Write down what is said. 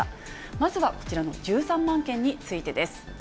まずはこちらの１３万件についてです。